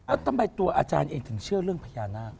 แล้วทำไมตัวอาจารย์เองถึงเชื่อเรื่องพญานาค